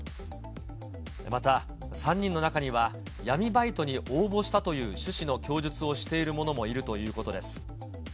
また、３人の中には闇バイトに応募したという趣旨の供述をしている者もいるということです。